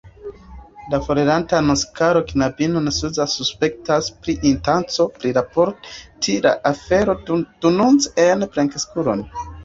La forirantan Oskaron knabino Zuza suspektas pri intenco priraporti la aferon denunce al plenkreskuloj.